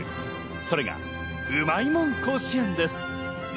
それがうまいもん甲子園です。